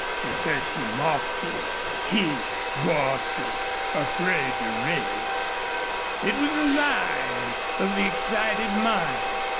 At first he mocked it. He Bostil afraid to race! It was a lie of the excited mind.